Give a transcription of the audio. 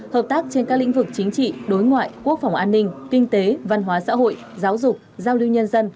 hợp tác trên các lĩnh vực chính trị đối ngoại quốc phòng an ninh kinh tế văn hóa xã hội giáo dục giao lưu nhân dân